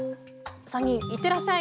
３人いってらっしゃい。